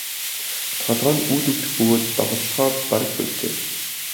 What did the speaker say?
Толгой нь үл өвдөх бөгөөд доголохоо бараг больжээ.